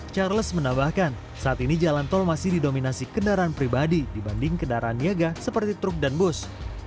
charles menambahkan saat ini jalan tol masih didominasi kendaraan pribadi dibanding kendaraan niaga seperti truk dan bus